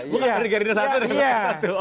bukan dari gerindra satu dari pks satu